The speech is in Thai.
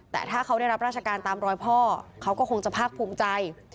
แต่ถ้าเขาได้รับราชการตามรอยพ่อเขาก็คงจะภาคภูมิใจ